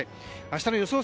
明日の予想